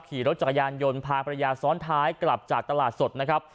ขี่รถจักรยานยนต์พาภรรยาซ้อนท้ายกลับจากตลาดสดนะครับ